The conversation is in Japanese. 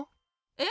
え？